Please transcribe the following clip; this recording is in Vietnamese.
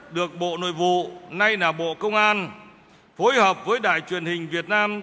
được bộ nội vụ nay là bộ công an phối hợp với đài truyền hình việt nam